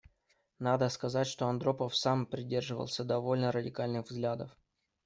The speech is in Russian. Надо сказать, что Андропов сам придерживался довольно радикальных взглядов.